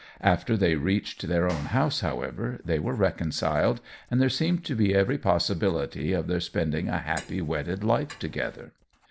After they reached their own house, however, they were reconciled, and there seemed to be every possibility of their spending a happy wedded life together.